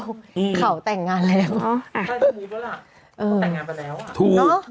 ถ้าที่นี้ด้วยล่ะเขาแต่งงานไปแล้วอะ